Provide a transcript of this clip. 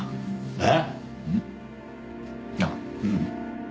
えっ？